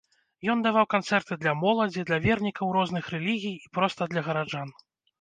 Ён даваў канцэрты для моладзі, для вернікаў розных рэлігій і проста для гараджан.